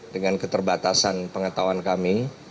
dengan keterbatasan pengetahuan kami